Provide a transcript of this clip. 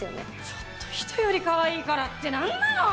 ちょっと人よりかわいいからって何なの！？